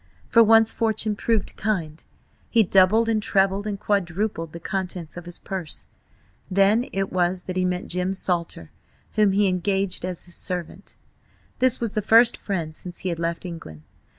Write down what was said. For once Fortune proved kind; he doubled and trebled and quadrupled the contents of his purse. Then it was that he met Jim Salter, whom he engaged as his servant. This was the first friend since he had left England.